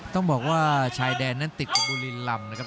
ต้องบอกว่าชายแดนนั้นติดกับบุรีลำนะครับ